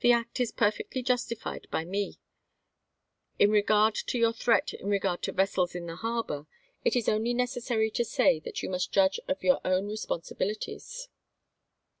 The act is perfectly justified by me. In regard to your threat in regard to ,.,..& Pickens to vessels in the harbor, it is only necessary to say j^^™^ that you must judge of your own responsibili ^■^■'jJfL ties."